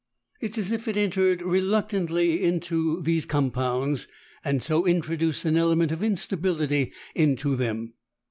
It is as if it entered reluctantly into these compounds and so introduced an element of instability into them.